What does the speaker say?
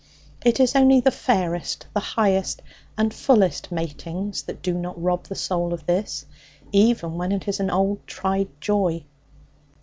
It is only the fairest, the highest and fullest matings that do not rob the soul of this, even when it is an old tried joy.